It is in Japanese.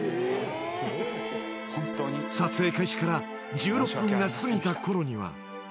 ［撮影開始から１６分が過ぎたころには］